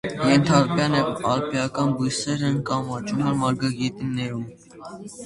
Ենթալպյան և ալպիական բույսեր են կամ աճում են մարգագետիններում։